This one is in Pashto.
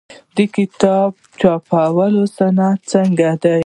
د کتاب چاپولو صنعت څنګه دی؟